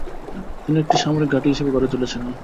তিনি একটি সামরিক ঘাঁটি হিসেবে গড়ে তুলেছিলেন।